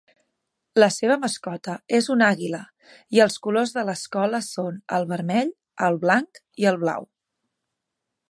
La seva mascota és un àguila, i els colors de l'escola són el vermell, el blanc i el blau.